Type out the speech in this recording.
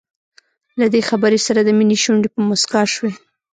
له دې خبرې سره د مينې شونډې په مسکا شوې.